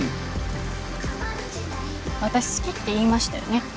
私好きって言いましたよね